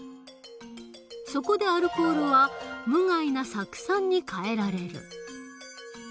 そこでアルコールは無害な酢酸に変えられる。